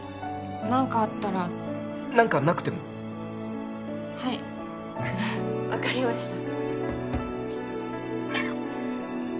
何かあったら何かなくてもはい分かりました